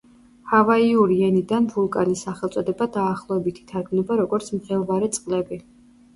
ჰავაიური ენიდან ვულკანის სახელწოდება დაახლოებით ითარგმნება როგორც „მღელვარე წყლები“.